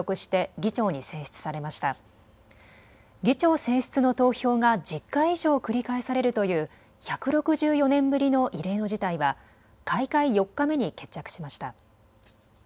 議長選出の投票が１０回以上繰り返されるという１６４年ぶりの異例の事態は開会４日目に決着しました。